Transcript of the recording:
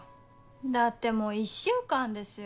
だってもう１週間ですよ。